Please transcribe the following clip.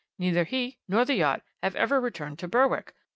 Neither he nor the yacht have ever returned to Berwick.